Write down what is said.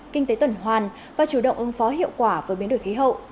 kinh tế tuần hoàn và chủ động ứng phó hiệu quả với biến đổi khí hậu